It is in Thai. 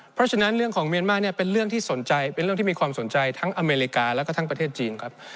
เพราะฉะนั้นเรื่องของเมียนมาร์เนี่ยเป็นเรื่องที่สนใจเป็นเรื่องที่มีความสนใจทั้งอเมริกาแล้วก็ทั้งประเทศจีนครับ